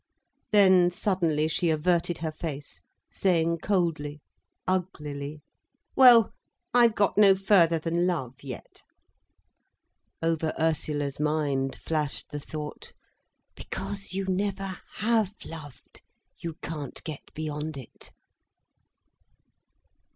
Then, suddenly she averted her face, saying coldly, uglily: "Well, I've got no further than love, yet." Over Ursula's mind flashed the thought: "Because you never have loved, you can't get beyond it."